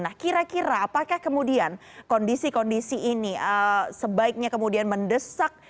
nah kira kira apakah kemudian kondisi kondisi ini sebaiknya kemudian mendesak